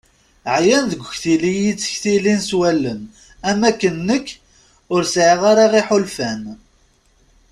Ɛyan deg uktli iyi-ttektilin s wallen am wakken nekk ur sɛiɣ ara iḥulfan.